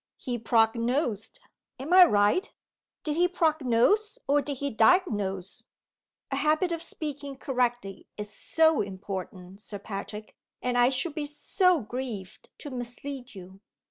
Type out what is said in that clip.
He prognosed am I right? Did he prognose? or did he diagnose? A habit of speaking correctly is so important, Sir Patrick! and I should be so grieved to mislead you!"